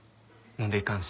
飲んでいかんっす。